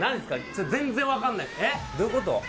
全然わかんないえっどういうこと？